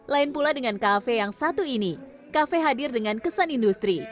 lain pula dengan kafe yang satu ini kafe hadir dengan kesan industri